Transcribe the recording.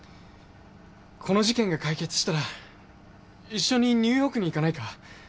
この事件が解決したら一緒にニューヨークに行かないか？